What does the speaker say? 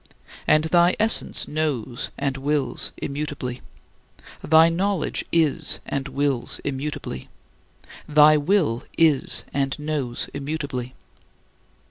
And thy Essence knows and wills immutably. Thy Knowledge is and wills immutably. Thy Will is and knows immutably.